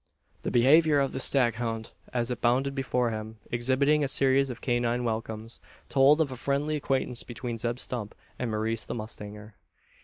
The behaviour of the staghound, as it bounded before him, exhibiting a series of canine welcomes, told of a friendly acquaintance between Zeb Stump and Maurice the mustanger.